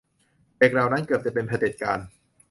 เด็กเหล่านั้นเกือบจะเป็นเผด็จการ